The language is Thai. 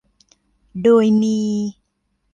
โดยมี